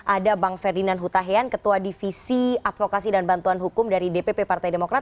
ada bang ferdinand hutahian ketua divisi advokasi dan bantuan hukum dari dpp partai demokrat